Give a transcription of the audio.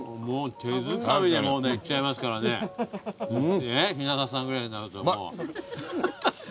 いっちゃいますからね雛形さんぐらいになるともう。